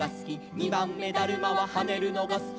「にばんめだるまははねるのがすき」